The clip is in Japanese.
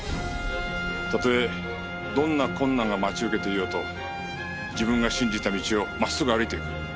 たとえどんな困難が待ち受けていようと自分が信じた道を真っすぐ歩いていく。